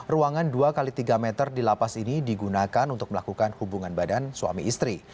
ruangan dua x tiga meter di lapas ini digunakan untuk melakukan hubungan badan suami istri